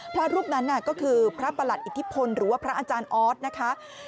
พระรูปนั้นก็คือพระประหลัดอิทธิพลหรือว่าพระอาจารย์ออสนะคะ